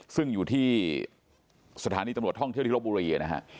ซึ่งอยู่ที่สถานีตำรวจท่องเที่ยวที่รบบุรีนะฮะ